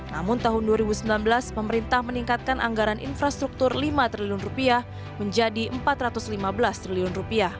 namun tahun dua ribu sembilan belas pemerintah meningkatkan anggaran infrastruktur rp lima triliun menjadi rp empat ratus lima belas triliun